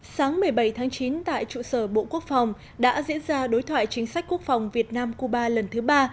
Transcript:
sáng một mươi bảy tháng chín tại trụ sở bộ quốc phòng đã diễn ra đối thoại chính sách quốc phòng việt nam cuba lần thứ ba